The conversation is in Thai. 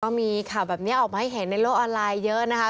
ก็มีข่าวแบบนี้ออกมาให้เห็นในโลกออนไลน์เยอะนะคะ